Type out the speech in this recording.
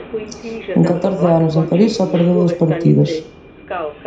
En catorce anos en París só perdeu dous partidos.